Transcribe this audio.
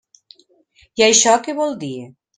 I això què vol dir?